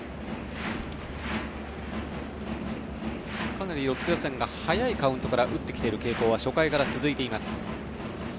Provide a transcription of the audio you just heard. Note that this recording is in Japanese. かなりロッテ打線が早いカウントから打ってくる傾向は初回から続いています。